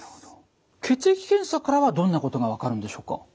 血液検査からはどんなことが分かるんでしょうか？